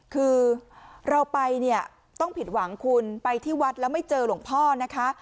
คือเราไปเนี่ยต้องผิดหวังคุณไปที่วัดแล้วไม่เจอหลวงพ่อนะคะ